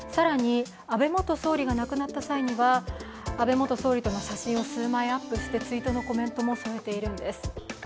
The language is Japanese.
安倍元総理が亡くなった際には安倍元総理の写真を数枚アップして追悼のコメントも添えているんです。